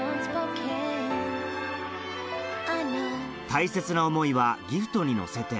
大切な思いはギフトに乗せて